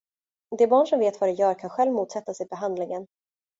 Det barn som vet vad det gör kan självt motsätta sig behandlingen.